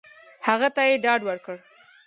هغه ته یې ډاډ ورکړ !